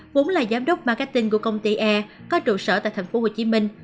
vốn là giám đốc marketing của công ty e có trụ sở tại tp hcm